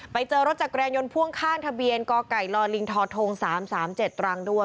ไปเจอรถจักรยานยนต์พ่วงข้างทะเบียนกไก่ลิงทท๓๓๗ตรังด้วย